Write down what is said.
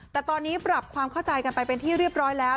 แต่ตอนนี้ปรับความเข้าใจกันไปเป็นที่เรียบร้อยแล้ว